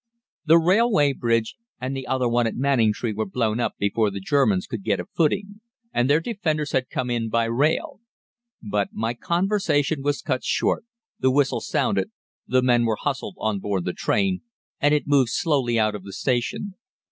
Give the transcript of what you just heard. "The railway bridge and the other one at Manningtree were blown up before the Germans could get a footing, and their defenders had come in by rail. But my conversation was cut short, the whistle sounded, the men were hustled on board the train, and it moved slowly out of the station.